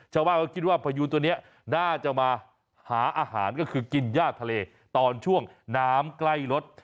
ชาวบ้านก็คิดว่าพยูนตัวนี้น่าจะมาหาอาหารก็คือกินย่าทะเลตอนช่วงน้ำใกล้รถ